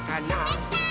できたー！